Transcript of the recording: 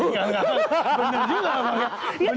bener juga bang